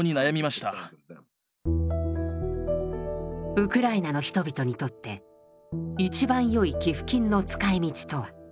ウクライナの人々にとって一番よい寄付金の使いみちとは？